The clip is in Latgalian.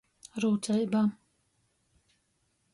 Rūceiba.